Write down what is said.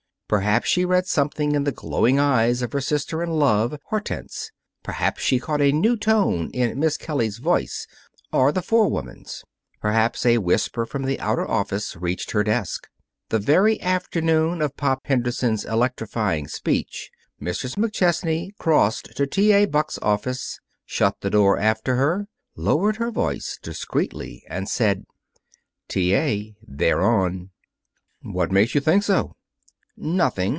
Perhaps she read something in the glowing eyes of her sister in love, Hortense. Perhaps she caught a new tone in Miss Kelly's voice or the forewoman's. Perhaps a whisper from the outer office reached her desk. The very afternoon of Pop Henderson's electrifying speech, Mrs. McChesney crossed to T. A. Buck's office, shut the door after her, lowered her voice discreetly, and said, "T. A., they're on." "What makes you think so?" "Nothing.